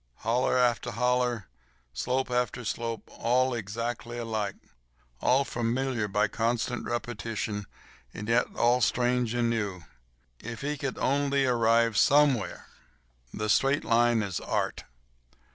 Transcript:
Hollow after hollow, slope after slope—all exactly alike—all familiar by constant repetition, and yet all strange and new. If he could only arrive somewhere. The straight line is Art.